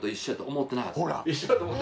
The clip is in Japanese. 思ってなかった。